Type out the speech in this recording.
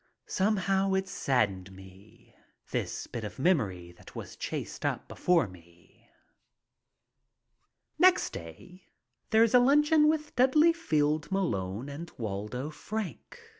Somehow it saddened me, this bit of memory that was chased up before me. Next day there is a luncheon with Dudley Field M alone and Waldo Frank.